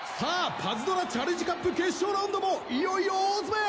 パズドラチャレンジカップ決勝ラウンドもいよいよ大詰め！